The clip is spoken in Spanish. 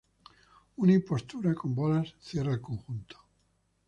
Una imposta con bolas cierra el conjunto.